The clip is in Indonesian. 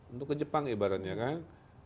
untuk ke jepang ibaratnya kan